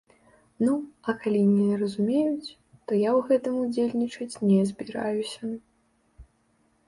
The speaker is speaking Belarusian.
Ну, а калі не разумеюць, то я ў гэтым удзельнічаць не збіраюся.